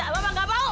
mama gak mau